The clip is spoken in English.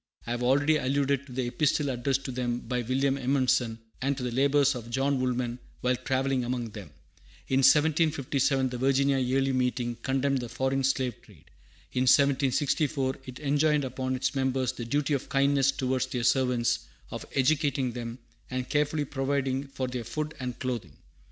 I have already alluded to the epistle addressed to them by William Edmondson, and to the labors of John Woolman while travelling among them. In 1757 the Virginia Yearly Meeting condemned the foreign slave trade. In 1764 it enjoined upon its members the duty of kindness towards their servants, of educating them, and carefully providing for their food and clothing.